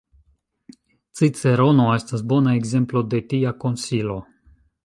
Cicerono estas bona ekzemplo de tia konsilo.